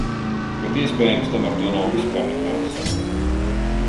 Bet iespējams tam ar to nav vispār nekāda sakara.